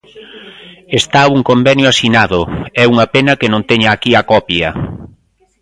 Está un convenio asinado, é unha pena que non teña aquí a copia.